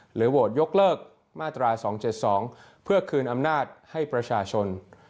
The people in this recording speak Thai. โหวตยกเลิกมาตรา๒๗๒เพื่อคืนอำนาจให้ประชาชน